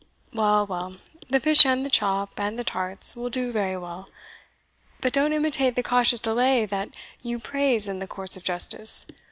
Well, well, the fish and the chop, and the tarts, will do very well. But don't imitate the cautious delay that you praise in the courts of justice.